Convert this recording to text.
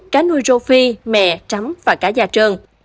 cá nuôi rô phi mè trắm và cá da trơn